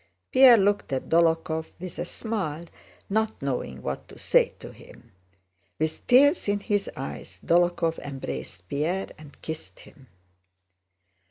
Pierre looked at Dólokhov with a smile, not knowing what to say to him. With tears in his eyes Dólokhov embraced Pierre and kissed him.